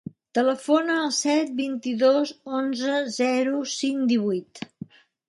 Telefona al set, vint-i-dos, onze, zero, cinc, divuit.